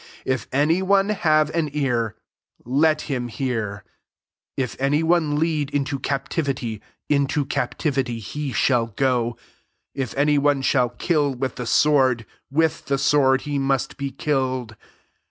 9 If any one have an ear, let him hear. 10 If any one lead into captivity, into captivity he shall go: If any one shall kill with the sword, with the sword he must be killed.